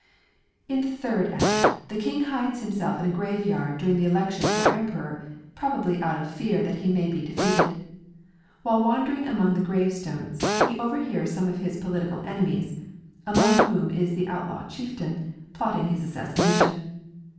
In the third act, the king hides himself in a grave yard during the election for emperor, probably out of fear that he may be defeated. While wandering among the grave stones he overhears some of his political enemies, (among whom is the outlaw chieftain,) plotting his assassination.